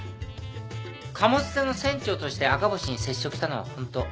貨物船の船長として赤星に接触したのは本当。